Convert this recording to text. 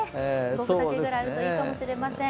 ５分丈ぐらいあるといいかもしれません。